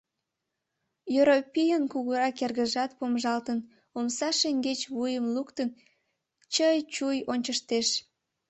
Йоропийын кугурак эргыжат помыжалтын, омса шеҥгеч вуйым луктын, чый-чуй ончыштеш.